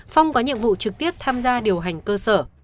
phong có nhiệm vụ trực tiếp tham gia điều hành cơ sở